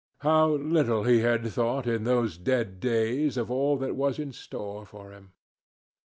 How little he had thought, in those dead days, of all that was in store for him!